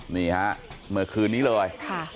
นี่ฮะเมื่อคืนนี้เลย